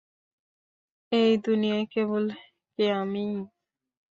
এই দুনিয়ায় কেবল কী আমিই?